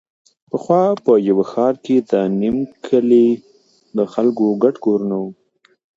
پخوا په یوه ښاره کې د نیم کلي د خلکو ګډ کورونه وو.